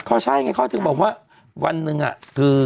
เขาใช่ไงเขาถึงบอกว่าวันหนึ่งคือ